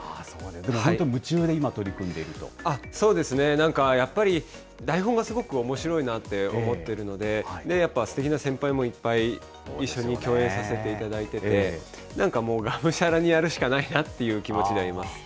でも本当に夢中そうですね、なんかやっぱり、台本がすごくおもしろいなって思ってるので、やっぱすてきな先輩もいっぱい、一緒に共演させていただいてて、なんかもう、がむしゃらにやるしかないなっていう気持ちではいます。